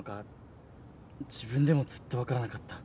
自分でもずっと分からなかった。